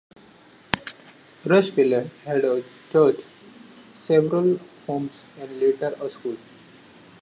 Rushville had a church, several homes, and later a school.